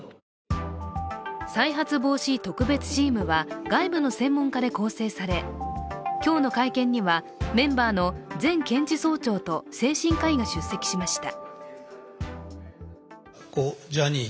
再発防止特別チームは外部の専門家で構成され今日の会見にはメンバーの前検事総長と精神科医が出席しました。